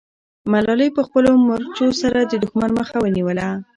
ملالۍ په خپلو مرچو سره د دښمن مخه ونیوله.